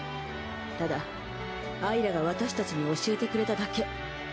ただあいらが私たちに教えてくれただけ。